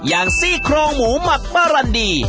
อย่างซี่โครงหมูหมัดปะรัมดี